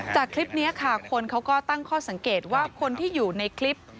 จากคลิปนี้ค่ะคนเขาก็ตั้งข้อสังเกตว่าคนที่อยู่ในคลิป